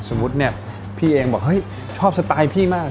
สมมุติพี่เองบอกชอบสไตล์พี่มาก